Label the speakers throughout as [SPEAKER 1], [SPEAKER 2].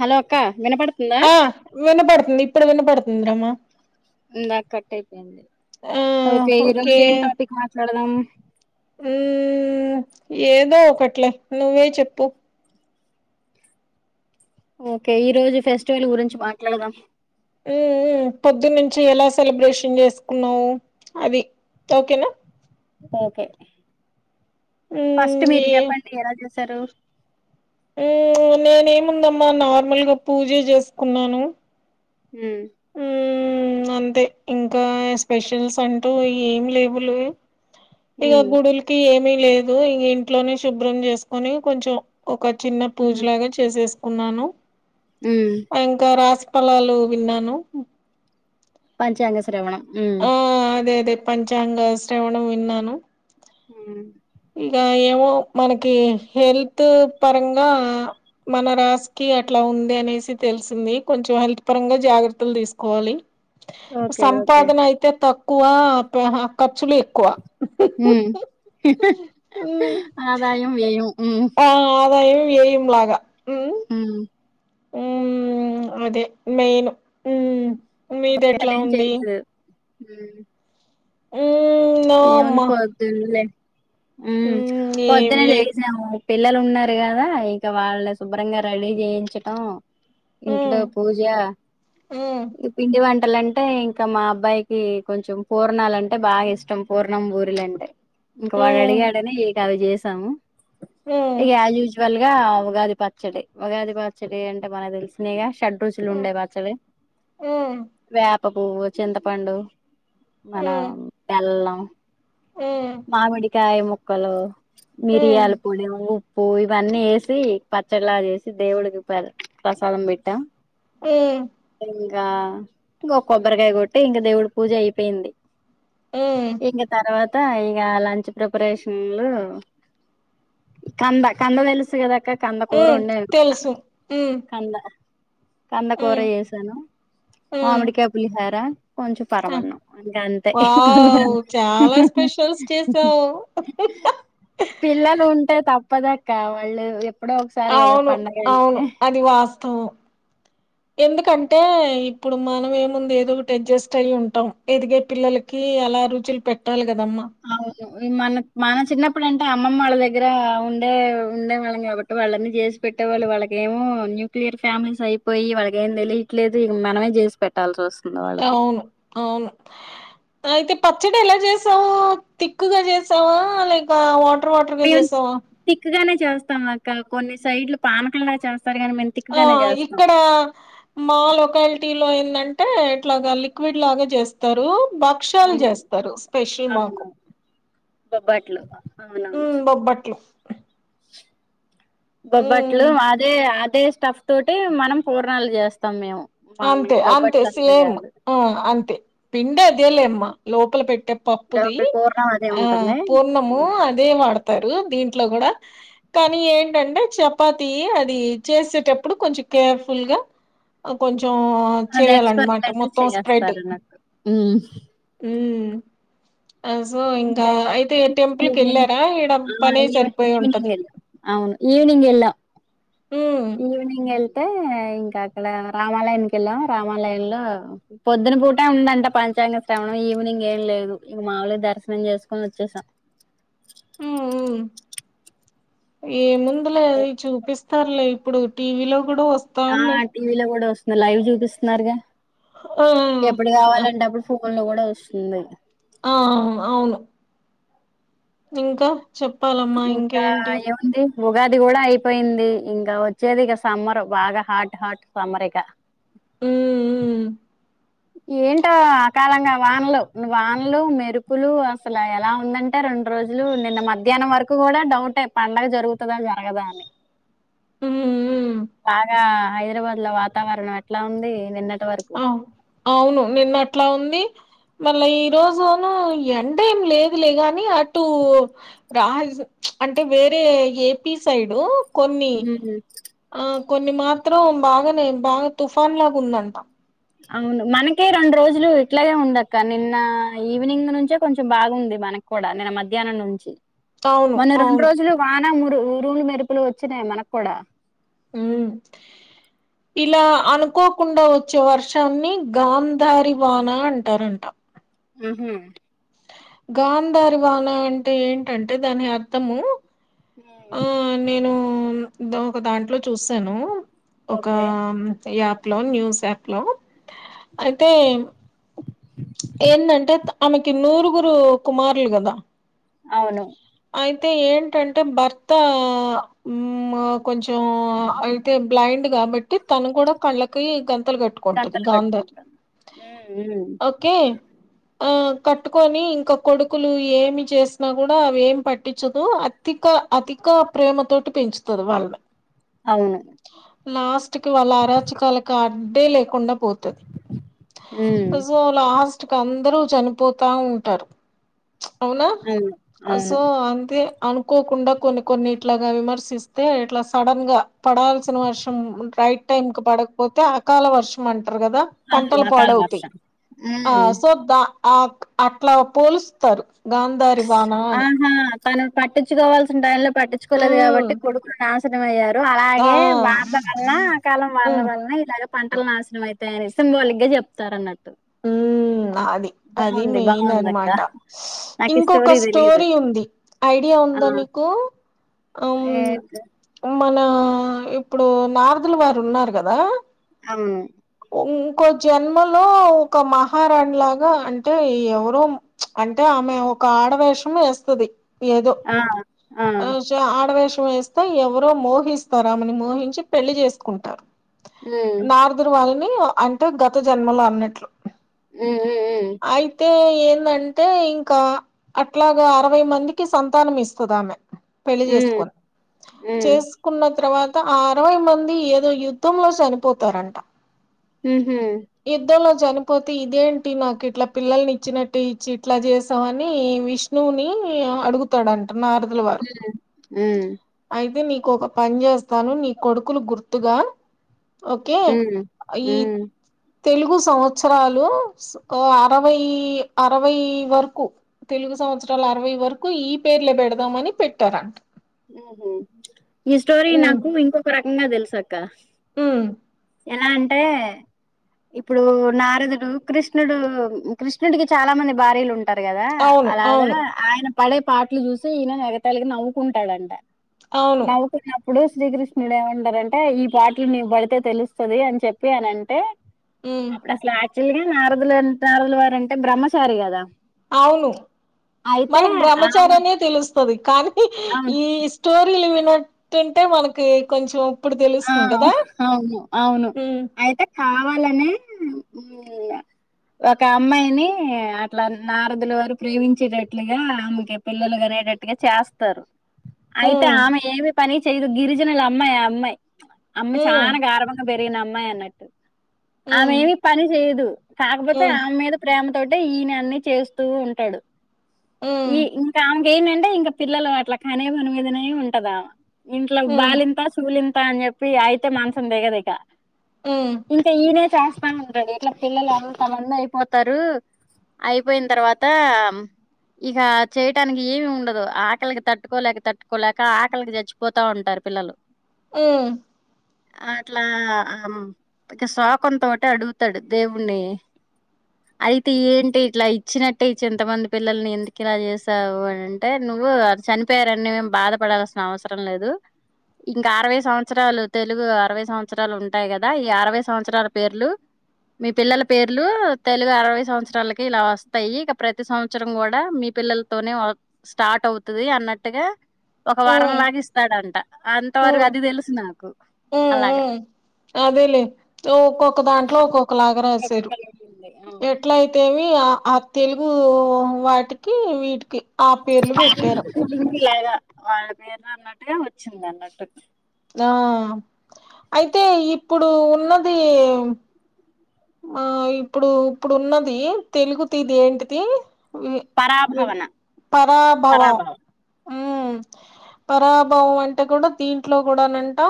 [SPEAKER 1] Hello అక్క వినపడుతుందా
[SPEAKER 2] ఆ వినపడుతుంది ఇప్పుడు వినపడుతుంది రమ
[SPEAKER 1] ఇందాక కట్ అయిపోయింది ఓకే ఈ రోజు ఏం టాపిక్ మాట్లాడదాం
[SPEAKER 2] ఉహు ఏదో ఒకట్లే నువ్వే చెప్పు
[SPEAKER 1] ఓకే ఈ రోజు ఫెస్టివల్ గురించి మాట్లాడదాం
[SPEAKER 2] ఉ ఉమ్ పొద్దునుంచి ఎలా సెలబ్రేషన్ చేసుకున్నావు అవి ఓకేనా
[SPEAKER 1] ఓకే ఫస్ట్
[SPEAKER 2] మ్మ్
[SPEAKER 1] మీరు చెప్పండి ఎలా చేశారు
[SPEAKER 2] ఉమ్ నేను ఏముందమ్మా నార్మల్గా పూజ చేసుకున్నాను
[SPEAKER 1] ఉమ్
[SPEAKER 2] ఉమ్ అంతే ఇంకా స్పెషల్స్ అంటూ ఏం లేవులే ఇకా
[SPEAKER 1] ఉమ్,
[SPEAKER 2] గుడులకి ఏమీ లేదు ఇక ఇంట్లోనే శుభ్రం చేసుకొని కొంచెం ఒక చిన్న
[SPEAKER 1] ఉమ్,
[SPEAKER 2] పూజలాగా చేసేసుకున్నాను
[SPEAKER 1] ఉమ్.
[SPEAKER 2] ఇంకా రాసి ఫలాలు విన్నాను
[SPEAKER 1] పంచాంగ శ్రవణం హు
[SPEAKER 2] ఆ అదే అదే పంచాంగ శ్రవణం విన్నాను
[SPEAKER 1] ఉమ్
[SPEAKER 2] ఇక ఏమో మనకి హెల్త్ పరంగా మన రాసికి అట్లా ఉంది అనేసి తెలిసింది కొంచెం హెల్త్ పరంగా జాగ్రత్తలు తీసుకోవాలి
[SPEAKER 1] ఓకే ఓకే
[SPEAKER 2] సంపాదన అయితే తక్కువ పోహ ఖర్చులు ఎక్కువ ఉహుహు
[SPEAKER 1] ఉహుహు ఆదాయం వ్యయం ఉమ్,
[SPEAKER 2] ఆ అదాయం వ్యయం లాగా
[SPEAKER 1] ఉమ్
[SPEAKER 2] ఉమ్ అదే మెయిను ఉమ్
[SPEAKER 1] అసలు
[SPEAKER 2] మీదెట్లా
[SPEAKER 1] ఏం
[SPEAKER 2] ఉంది
[SPEAKER 1] చేయలేదు ఉమ్
[SPEAKER 2] ఉమ్, నో
[SPEAKER 1] ఏముంది
[SPEAKER 2] అమ్మా
[SPEAKER 1] పొద్దున్నే ఉమ్
[SPEAKER 2] ఏం
[SPEAKER 1] పొద్దునే
[SPEAKER 2] లేదు
[SPEAKER 1] లేసాము పిల్లలు ఉన్నారు కదా ఇంక వాళ్ళని శుభ్రంగా రెడీ చేయించటం ఇంట్లో
[SPEAKER 2] ఉమ్.
[SPEAKER 1] పూజ
[SPEAKER 2] తెలుసు
[SPEAKER 1] ఇగ పిండి వంట లంటే ఇంకా మా అబ్బాయికి కొంచెం పూర్ణాలంటే బాగా ఇష్టం పూర్ణం పూరిలాంటే ఇంక వాడు
[SPEAKER 2] ఉమ్,
[SPEAKER 1] అడిగాడనే ఇంకా అవి చేసాము ఇక యాస్ యూస్ ల్గా ఉగాది పచ్చడి ఉగాది పచ్చడి అంటే మనకి తెలిసిందేగా షడ్రుచులు ఉండేవాచ్చవి వేప పువ్వు చింతపండు మన బెల్లం మామిడికాయ ముక్కలు మిరియాల పొడి ఉ ప్పు ఇవన్నీ వేసి పచ్చడి లాగా చేసి దేవుడికి ప్రసాదం పెట్టాం
[SPEAKER 2] ఉమ్
[SPEAKER 1] గా ఇంక కొబ్బరికాయ కొట్టి ఇంకా దేవుడు పూజ అయిపోయింది ఇంగ తర్వాత ఇంగ లంచ్ ప్రిపరేషన్లు కంద కంద తెలుసు కదక్క కంద కూర ఉండే
[SPEAKER 2] ఉమ్,
[SPEAKER 1] కంద కందకూర
[SPEAKER 2] ఉమ్.
[SPEAKER 1] చేసాను మామిడికాయ్ పులిహార కొంచెం
[SPEAKER 2] హూ
[SPEAKER 1] పరమన్నం ఇంక అంతే
[SPEAKER 2] వావ్
[SPEAKER 1] పులిహోర
[SPEAKER 2] చాలా స్పెషల్స్ చేసావ్
[SPEAKER 1] పిల్లలు ఉంటే తప్పదక్క వాళ్ళు ఎప్పుడో ఒకసారి కదా
[SPEAKER 2] అవును
[SPEAKER 1] పండగ అంటే
[SPEAKER 2] అవును అది వాస్తవం ఎందుకంటే ఇప్పుడు మనం ఏముంది ఏదో ఒకటి అడ్జస్ట్ అయి ఉంటాం ఎదిగే పిల్లలకి అలా రుచులు పెట్టాలి కదమ్మా
[SPEAKER 1] మన మన చిన్నప్పుడు అంటే అమ్మమ్మ వాళ్ళ దగ్గర ఉండే ఉండే వాళ్ళం కాబట్టి వాళ్ళన్నీ చేసి పెట్టే వాళ్ళు వాళ్ళకేమో న్యూక్లియర్ ఫ్యామిలీస్ అయిపోయి వాళ్ళకి ఏం తెలీట్లేదు మనమే చేసి పెట్టాల్సిస్తోంది
[SPEAKER 2] అవును అవును అయితే పచ్చడి ఎలా చేసావు తిక్కుగా చేసావా లేక వా టర్ వాటర్గా
[SPEAKER 1] మేము
[SPEAKER 2] చేసావా
[SPEAKER 1] థిక్ గానే చేస్తాం అక్క కొన్ని సైడ్లు పానకంలా చేస్తాం కానీ మేము థిక్
[SPEAKER 2] ఆ
[SPEAKER 1] గానే
[SPEAKER 2] ఇక్కడ మా లొకాలిటీ లో ఏందం టే ఇట్లాగా లిక్విడ్ లాగా చేస్తారు భక్ష్యాలు చేస్తారు స్పెషల్ మాకు
[SPEAKER 1] బొబ్బాట్లు
[SPEAKER 2] ఉ బొబ్బట్లు
[SPEAKER 1] బొబ్బట్లు
[SPEAKER 2] ఉమ్
[SPEAKER 1] అదే అదే స్టఫ్ తోటి మనం పూర్ణాలు చేస్తాం మేము
[SPEAKER 2] అంతే
[SPEAKER 1] మనకి
[SPEAKER 2] అంతే
[SPEAKER 1] బొబ్బట్లు
[SPEAKER 2] సేమ్
[SPEAKER 1] కాదు
[SPEAKER 2] ఆ అంతే పిండే అదే లేమ్మ లోపల పెట్టే పప్పుది
[SPEAKER 1] లోపల పూర్ణం అదే
[SPEAKER 2] ఆ
[SPEAKER 1] ఉంటుంది
[SPEAKER 2] పూర్ణము అదే వాడతారు దీంట్లో కూడా కానీ ఏంటంటే చపాతి అది చేసేటప్పుడు కొంచెం కేర్ఫుల్ గా అఓక
[SPEAKER 1] అది ఎక్స్పర్ట్లైతే చేస్తారు నాకు
[SPEAKER 2] హ సో ఇంకా అయితే టెంపుల్ క
[SPEAKER 1] ఈవినింగ్
[SPEAKER 2] వెళ్ళారా ఈక్కడ
[SPEAKER 1] ఆ
[SPEAKER 2] పనే
[SPEAKER 1] ఈవ
[SPEAKER 2] సరిపోయి
[SPEAKER 1] ఈవినింగ్
[SPEAKER 2] ఉంటది
[SPEAKER 1] వెళ్ళాం ఈవినింగ్ వెళ్ళాము
[SPEAKER 2] ఉమ్
[SPEAKER 1] ఈవనింగ్ వెళ్తే ఇంకా అక్కడ రామాలయానికి వెళ్ళాం రామాలయంలో పొద్దున పూట ఉందంట పంచాంగ శ్రవణం ఈవినింగ్ ఏం లేదు ఇక మామిలు దర్శనం చేసుకుొని వచ్చేసాం
[SPEAKER 2] ఆ ఏ ముందులే అది చూపిస్తారులే ఇప్పుడు టీవీ లో కూడా
[SPEAKER 1] ఆ
[SPEAKER 2] వస్తాం
[SPEAKER 1] టీవీలో కూడా వస్తుంది లైవ్ చూపిస్తున్నారుగా ఎప్పుడు
[SPEAKER 2] ఆ
[SPEAKER 1] కావాలంటే అప్పుడు ఫోన్ లో కూడా వస్తుంది
[SPEAKER 2] ఆ అవును అవును. ఇంకా చెప్పాలమ్మా
[SPEAKER 1] ఇంకా
[SPEAKER 2] ఇంకేంటి
[SPEAKER 1] ఏముంది ఉగాది కూడా అయిపోయింది ఇంకా వచ్చేది ఇక సమ్మర్ బాగా హాట్ హాట్ సమ్మర్ ఇక
[SPEAKER 2] అ
[SPEAKER 1] ఏంటో ఆకాలంగా వానలు వానలు మెరుపులు అసలు ఎలా ఉందంటే రెండు రడు రోజులు నిన్న మధ్యాహ్నం వరకు కూడా డౌట పండగ జరుగుతుందా జరగదా అని
[SPEAKER 2] ఉ
[SPEAKER 1] బాగా హైదరాబాద్ లో వాతావరణం ఎట్లా ఉంది నిన్న
[SPEAKER 2] ఆ అవును నిన్న అట్లా ఉంది మళ్ళా ఈ రోజున ఎండ ఏం లేదులే గాని అటు రా అంటే వేరే ఏపీ సైడు కొన్ని
[SPEAKER 1] ఉమ్.
[SPEAKER 2] ఆ కొన్ని మాత్రం బాగానే బాగా తుఫాన్ లాగా ఉందంట
[SPEAKER 1] అవును మనకే రెండు రోజులు ఇట్లాగే ఉండక్క నిన్న ఈవినింగ్ నుంచే కొంచెం బాగుంది మన కూడా నిన్న మధ్యాహ్నం నుంచి
[SPEAKER 2] అవును
[SPEAKER 1] మొన్న రెండు
[SPEAKER 2] అవును
[SPEAKER 1] రోజులు వానరు రూలు మెరుపులు వచ్చినాయి మనకు కూడా
[SPEAKER 2] అ ఇలా అనుకోకుండా వచ్చే వర్షాన్ని గాంధారి వానా అంటారంట
[SPEAKER 1] ఆహా
[SPEAKER 2] గాంధారి వాన అంటే ఏంటంటే దాని అర్థము ఆ
[SPEAKER 1] హ
[SPEAKER 2] నేను దాంట్లో చూాను ఒక
[SPEAKER 1] ఓకే
[SPEAKER 2] లో న్యూస్ యాప్ లో అయితే ఏంటంటే ఆమెకి నూరుగురు కుమారులు కదా
[SPEAKER 1] అవును
[SPEAKER 2] అయితే ఏంటంటే భర్త కొంచెం అయితే బ్లైండ్ గా కాబట్టి తను కూడా కళ్ళకి గంతలు కట్టుకుంటది
[SPEAKER 1] కంతలు
[SPEAKER 2] గాంధారి
[SPEAKER 1] కట్టుకుంటాను ఉమ్, ఉమ్,
[SPEAKER 2] ఏ ఆ కట్టుకొని ఇంకా కొడుకులు ఏమి చేసినా కూడా అవి ఏమి పట్టించదు అతి అిక అధిక ప్రేమతోోటి పెంచుతంది వాళ్ళని
[SPEAKER 1] అవును
[SPEAKER 2] లాస్ట్ కి వాళ్ళ అరాచకాలకు అడ్డే లేకుండా పోతుంది
[SPEAKER 1] హ్మ్
[SPEAKER 2] సో కాస్ట్ క అందరూ చనిపోతూ ఉంటారు అవునా
[SPEAKER 1] అవును అవును
[SPEAKER 2] సో అంతే అనుకోకుండా కొన్ని కొన్ని ఇట్లాగా విమర్శిస్తే ఇట్లా సడన్ గా పడాల్సిన వర్షం రైట్ టైం క పడకపోతే అకాల వర్షం అంటారు కదా
[SPEAKER 1] అవును
[SPEAKER 2] పంటలు
[SPEAKER 1] అకాల
[SPEAKER 2] పాడవుతాయి
[SPEAKER 1] వర్షం
[SPEAKER 2] ఆ
[SPEAKER 1] హ్మ్
[SPEAKER 2] సోద్దా ఆ అట్లా పోలుస్తారు గాంధారి బాణ అని
[SPEAKER 1] ఆహా తను పట్టించుకోవాల్సిన టై లో పట్టించుకోలేదు
[SPEAKER 2] ఉమ్
[SPEAKER 1] కాబట్టి కొడుకులు నాశనమ అయ్యారు
[SPEAKER 2] ఆ
[SPEAKER 1] అలాగే వాళ్ల వలన ఆ కాలం వాళల
[SPEAKER 2] ఉమ్
[SPEAKER 1] వలన ఇలాగ పంటలు నాశనం అయి సింబోిక్ గా చెప్తారు అన్నట్టు
[SPEAKER 2] ఉ అది అది
[SPEAKER 1] బాగుంది
[SPEAKER 2] మెయిన్
[SPEAKER 1] బాగుంది అక్క
[SPEAKER 2] అనమాటా
[SPEAKER 1] నాకు ఈ
[SPEAKER 2] ఇంకొక
[SPEAKER 1] తెలీదు
[SPEAKER 2] స్టోరీ ఉంది ఐడియా ఉందా నీకు ఉమ్
[SPEAKER 1] ఏక
[SPEAKER 2] మన ఇప్పుడు నారదులు వారు ఉన్నారు కదా
[SPEAKER 1] అను
[SPEAKER 2] ఇంకో జన్మలో ఒక మహారాణి లాగా అంటే ఎవరో అంటే ఆమె ఒక ఆడవేషం వేస్తుది
[SPEAKER 1] ఆ ఆ
[SPEAKER 2] ఆస ఆడవ వేషా వేస్తా ఎవరో మోహిస్తారామని మోహించి పెళ్లి చేసుకుంటారు
[SPEAKER 1] హ్మ్
[SPEAKER 2] నార్దుర్ వాళ్ళని అంటే గత జన్మలో అన్నట్లు
[SPEAKER 1] హ్మ్ హ్మ్
[SPEAKER 2] అయితే ఏందంటే ఇంకా అట్లాగా అరవై మందికి సంతానం ఇస్తుదామె పెళ్లి
[SPEAKER 1] హ్మ్
[SPEAKER 2] చేసుకొని
[SPEAKER 1] హ్మ్
[SPEAKER 2] చేసుకున్న తర్వాత అరవై మంది ఏదో యుద్ధంలో చనిపోతారంట
[SPEAKER 1] మ్ హూ
[SPEAKER 2] యుద్ధంలో చనిపోతే ఇదేంటి నాకు ఇట్లా పిల్లల్ని ఇచ్చినట్టు ఇచ్చి ఇట్లా చేసావు అని విష్ణువుని అడుగుతాడంటా నారదుల వారు
[SPEAKER 1] మ్
[SPEAKER 2] అయితే నీకు ఒక పని చేస్తాను నీ కొడుకులు గుర్తుగా ఓకే
[SPEAKER 1] హ్మ్
[SPEAKER 2] ఈ
[SPEAKER 1] హ్మ్
[SPEAKER 2] తెలుగు సంవత్సరాలు అరవై అరవై వరకు తెలుగు సం వత్సరాల అరవై వరకు ఈ పేర్లే పెడదాం అని పెట్టారంట
[SPEAKER 1] ఉమ్ హూ ఈ స్టోరీ నాకు ఇంకొక రకంగా తెలుసు అక్క
[SPEAKER 2] మ్
[SPEAKER 1] ఎలా అంటే ఇప్పుడు నారదుడు కృష్ణుడు కృష్ణుడికి చాలా మంది భార్యలు ఉం టారు కదా
[SPEAKER 2] అవును
[SPEAKER 1] అలాగా
[SPEAKER 2] అవును
[SPEAKER 1] ఆయన పడే పాట్లు చూసి ఈయన ఎగతాలిగ నవ్వుకుంటాడంట
[SPEAKER 2] అవును
[SPEAKER 1] నవ్వు కునపుడు ఇప్పుడు శ్రీకృష్ణుడు ఏమంటారంటే ఈ పాట్లు నీవు పడితే తెలుస్తది అని చెప్పి అనంటే
[SPEAKER 2] ఉమ్
[SPEAKER 1] అప్పుడు అసలు యాక్చువల్ గా నారదులు నారదుల వారు అంటే బ్రహ్మచారి కదా
[SPEAKER 2] అవును
[SPEAKER 1] అయితే
[SPEAKER 2] మనకు బ్రహ్మచారి
[SPEAKER 1] ఆమె
[SPEAKER 2] అనే తెలుస్తది కా నీ
[SPEAKER 1] అవును
[SPEAKER 2] ఈ స్టోరీలు విన్నట్టుంటే మనకి కొంచెం ఇప్పుడు
[SPEAKER 1] అ
[SPEAKER 2] తెలుస్తుంది కదా
[SPEAKER 1] అవును అవును
[SPEAKER 2] ఉమ్
[SPEAKER 1] అయితే కావాలనే
[SPEAKER 2] [inaudible]
[SPEAKER 1] ఒక అమ్మాయిని అట్లా నారదుల వారు ప్రేమించినట్లుగా ఆమెకి పిల్లలు గనే ట్టుగా చేస్తారు అయితే
[SPEAKER 2] ఉమ్
[SPEAKER 1] ఆమె ఏమి పని చేయదు గిరిజనులు అమ్మాయి ఆ అమ్మాయి అమ్మాయి
[SPEAKER 2] ఉమ్
[SPEAKER 1] చానా గారాబంగా పెరిగిన అమ్మాయి అన్నట్టు ఆమె
[SPEAKER 2] ఉమ్
[SPEAKER 1] ఏమీ పని చేయ్యదు కాకపోతే
[SPEAKER 2] ఉమ్
[SPEAKER 1] ఆమె మీద ప్రేమ తోటే ఈయన అన్ని చేస్తూ ఉంటాడు ఈ
[SPEAKER 2] ఉమ్
[SPEAKER 1] ఇంకా ఆమె కి ఏంటంటే ఇంకా పిల్లలు అట్లా కనే పని మీదనే ఉంటదది ఆమె ఇంట్లో
[SPEAKER 2] ఉమ్
[SPEAKER 1] బాలింత సూలిం త అని చెప్పి అయితే మంచం దిగదు ఇక
[SPEAKER 2] ఉమ్
[SPEAKER 1] ఇంకా ఈనే చేస్తా వుంటడు ఇట్లా పిల్లలు అతమంది అయిపోతారు అయిపోయిన తర్వాత ఇక చేయటానికి ఏమి ఉండదు ఆకలికి తట్టుకోలేక తట్టుకోలేక ఆకలికి చచ్చిపోతా ఉంటారు పిల్లలు
[SPEAKER 2] మ్
[SPEAKER 1] అట్లా ఆ ఇక శోకంతోటి అడుగుతాడు దేవుణ్ణి అయితే ఏంటి ఇట్లా ఇచ్చినట్టే ఇచ్చి ఇంతమంది పిల్లల్ని ఎందుకు ఇలా చేసావు అంటే ను వ్వు చనిపోయరానీ నువ్వేం బాధపడాల్సిన అవసరం లేదు ఇంకా అరవై సంవత్సరాలు తెలుగు అరవై సంవత్సరాలు ఉంటాయి కదా ఈ అరవై సంవత్సరాల పేర్లు మీ పిల్లల పేర్లు తెలుగు అరవై సంవత్సరాలకి ఇలా వస్తాయి ఇక ప్రతి సంవత్సరం కూడా మీ పిల్లలతోనే స్టార్ట్ అవుతది అన్నట్టుగా ఒక వారం
[SPEAKER 2] ఉమ్
[SPEAKER 1] లాగ ఇస్తాడంట అంతవరకు అది తెలుసు నాకు అలా
[SPEAKER 2] మ్ అదేలే ఒక్కొక్క దాంట్లో ఒక్కొక్కలాగా
[SPEAKER 1] ప్రతి
[SPEAKER 2] రాసారు
[SPEAKER 1] కళ ఉంది. అవును
[SPEAKER 2] ఎట్లా అయితేవి ఆ ఆ తెలుగు వాటికి వీటికి ఆ పేర్లు పెట్టారు
[SPEAKER 1] వాళ్ల పేరున అన్నట్టుగా వచ్చింది అన్నట్టు
[SPEAKER 2] అ అయితే ఇప్పుడు ఉన్నది ఆ ఇప్పుడు ఇప్పుడు ఉన్నది తెలుగు తిథి ఏంటిది వి వి
[SPEAKER 1] పరాభవన
[SPEAKER 2] పరాభవ ఉమ్ పరాభవం అంటే కూడా దీంట్లో కూడానంటా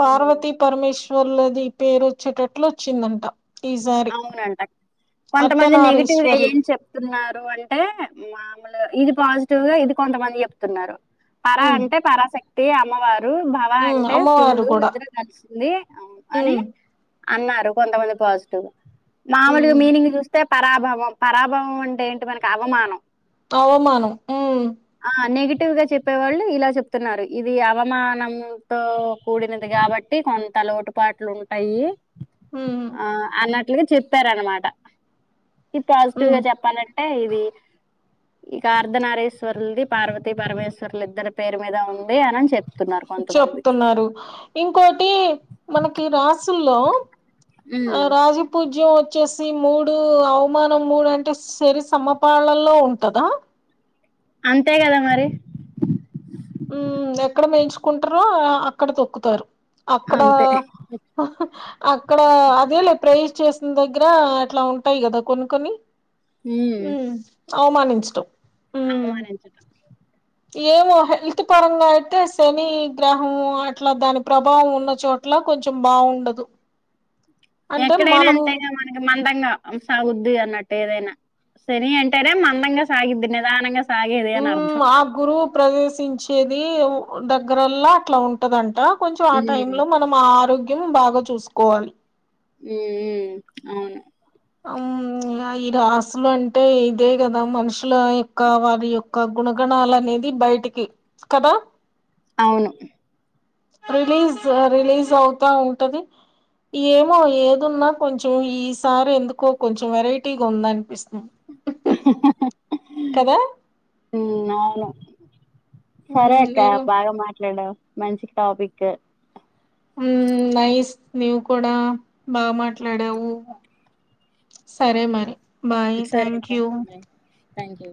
[SPEAKER 2] పార్వతి పరమేశ్వర్లది పేరు వచ్చేటట్లు వచ్చిందంట ఈసారి
[SPEAKER 1] అవునంట కొంతమంది నెగిటివ్ గా
[SPEAKER 2] అర్ధనారీశ్వర్లు
[SPEAKER 1] ఏం చెప్తున్నారు అంటే మ న ఇది పాజిటివ్ గా ఇది కొంతమంది చెప్తున్నారు పరా
[SPEAKER 2] ఉమ్
[SPEAKER 1] అంటే పరాశక్తి అమ్మవారు భావా
[SPEAKER 2] ఉమ్
[SPEAKER 1] అంటే
[SPEAKER 2] అమ్మవారు
[SPEAKER 1] శివుడు
[SPEAKER 2] కూడా
[SPEAKER 1] ఇద్దరు కలిసింది అని
[SPEAKER 2] ఉమ్
[SPEAKER 1] అన్నారు కొంతమంది పాజిటివ్ మామూలుగా
[SPEAKER 2] ఉమ్
[SPEAKER 1] మీనింగ్ చూస్తే పరాభవం పరాభవం అంటే ఏంటి మనకి అవమానం
[SPEAKER 2] అవమానం ఉ
[SPEAKER 1] గా చెప్పేవాళ్ళు ఇలా చెప్తున్నారు ఇది అవమానంతో కూడినది కాబట్టి కొంత అలవాటు పాటలు ఉంటాయి
[SPEAKER 2] ఉమ్
[SPEAKER 1] ఆ అన్నట్లుగా చెప్పార అనమాట ఇది
[SPEAKER 2] ఉమ్
[SPEAKER 1] పాజిటివ్గా చెప్పన ఇది ఇక ఆర్ధ నారేశ్వరులది పార్వత పరమేశ్వరులు ఇద్దరు పేరు మీద ఉంది అని అని చెప్త
[SPEAKER 2] చెప్తున్నారు ఇంకోటి మనకి రాసుల్లో
[SPEAKER 1] హ్మ్.
[SPEAKER 2] రాజీ పూజ విజ్యం వచ్చేసి మూడు అవమానం మూడు అంటే సరి సమ్మపాళలో ఉంటదా
[SPEAKER 1] అంతే కదా మరి
[SPEAKER 2] ఉ ఎక్కడ మేయించుకుంటారో అక్కడ తొక్కుతారు అక్కడ
[SPEAKER 1] అంతే.
[SPEAKER 2] అక్కడ అదేలే ప్ర చేసిన దగ్గర అట్లా ఉంటాయి కదా కొన్ని కొన్ని
[SPEAKER 1] ఉమ్
[SPEAKER 2] అవమానించటు
[SPEAKER 1] ఆమ నించిట
[SPEAKER 2] ఏమో హతు పరంగా అయితే శని గ్రహం అట్లా దాని ప్రభావం ఉన్న చోట్ల కొంచెం బాగుండదు అంటే
[SPEAKER 1] ఎక్కడైనా
[SPEAKER 2] మనం
[SPEAKER 1] ఎంతయినా మనకి మన దగ్గ సాగుద్ది అన్నట్టు ఏదైనా శని అంటనే మందంగా సాగుద్ది నిదానంగా సాగేది
[SPEAKER 2] ఉ
[SPEAKER 1] అని అర్థం.
[SPEAKER 2] ఆ గురువు ప్రదేశించేది దగ్గరల్లా అట్లా ఉంటదంట కొంచం ఆ టై
[SPEAKER 1] హ్మ్.
[SPEAKER 2] లో మనం ఆ ఆరోగ్యం బాగా చూసుకోవాలి
[SPEAKER 1] ఉ అవును
[SPEAKER 2] అవ్ను ఇగ ఈ రాసులంటే ఇదే కదా మనుషుల యొక్క వారి యొక్క గుణగణాలనేది బైటికి కదా
[SPEAKER 1] అవును.
[SPEAKER 2] రిలీజ్ రిలీజ్ అవుతా ఉంటది ఏమో ఏదున్నా కొంచెం ఈసారి ఎందుకో కొంచెం వెరైటీగా ఉందన్పిస్తుం
[SPEAKER 1] హ్
[SPEAKER 2] కదా
[SPEAKER 1] అవును
[SPEAKER 2] హ్మ్
[SPEAKER 1] సరే అక్క
[SPEAKER 2] నేను
[SPEAKER 1] బాగా మాట్లాడావ్ మంచి టాపిక్
[SPEAKER 2] నైస్ నీవు కూడా బాగా మాట్లాడావు సరే మరి బాయ్
[SPEAKER 1] సరే
[SPEAKER 2] థ్యాంక్
[SPEAKER 1] అక్క
[SPEAKER 2] యూ
[SPEAKER 1] బాయ్ థ్యాంక్ యూ